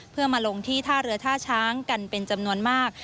เพื่อมาลงที่ท่าเรือท่าช้างกันเป็นจำนวนมาก